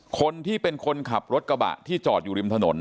คนที่เป็นคนขับรถกระบะที่จอดอยู่ริมถนน